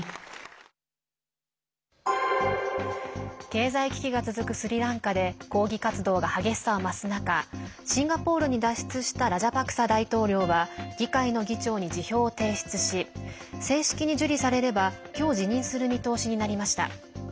経済危機が続くスリランカで抗議活動が激しさを増す中シンガポールに脱出したラジャパクサ大統領は議会の議長に辞表を提出し正式に受理されればきょう、辞任する見通しになりました。